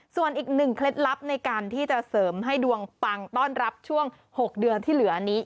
ส่วนอีกหนึ่งเคล็ดลับในการที่จะเสริมให้ดวงปังต้อนรับช่วง๖เดือนที่เหลือนี้